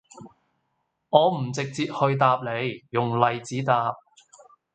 我唔直接去答你,用例子答